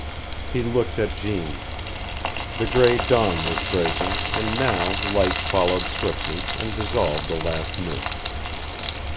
He looked at Jeanne. The gray dawn was breaking, and now light followed swiftly and dissolved the last mist.